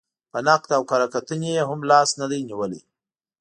په نقد او کره کتنې یې هم لاس نه دی نېولی.